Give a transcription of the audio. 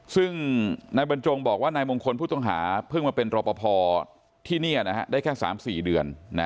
ซึ่งนายบรรจงบอกว่านายมงคลผู้ต้องหาเพิ่งมาเป็นรอปภที่นี่ได้แค่๓๔เดือน